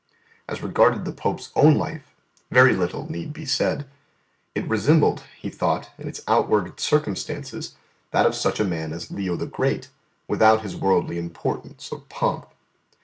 As regarded the Pope's own life very little need be said. It resembled, He thought, in its outward circumstances that of such a man as Leo the Great, without His worldly importance or pomp.